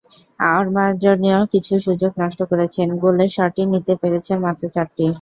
অমার্জনীয় কিছু সুযোগ নষ্ট করেছেন, গোলে শটই নিতে পেরেছেন মাত্র চারটি।